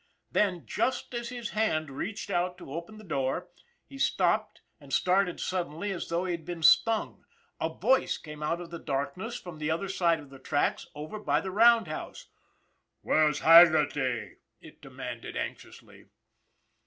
Then, just as his hand reached out to open the door, he stopped and started suddenly as though he had been stung. st WHERE'S HAGGERTY?" 261 A voice came out of the darkness from the other side of the track over by the roundhouse. " Where's Haggerty? " it demanded anxiously.